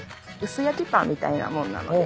薄焼きパンみたいな物なので。